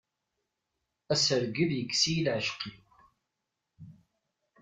Asergel yekkes-iyi leɛceq-iw.